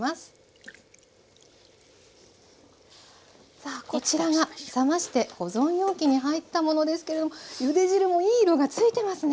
さあこちらが冷まして保存容器に入ったものですけれどもゆで汁もいい色が付いてますね！